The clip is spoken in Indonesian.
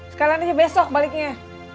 sekarang aja besok baliknya